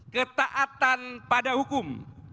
ketaatan pada hukum